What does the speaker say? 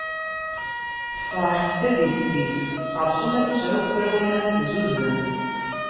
Tefreḥ s tadist-is, xerṣum ad tesɛu tura win ara tezzuzen.